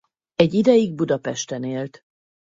Egy ideig Budapesten élt.